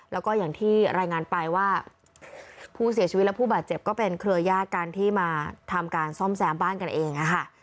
แล้วก็อย่างที่รายงานไปว่าผู้เสียชีวิตและผู้บาดเจ็บก็เป็นเครือญาติกันที่มาทำการซ่อมแซมบ้านกันเองค่ะ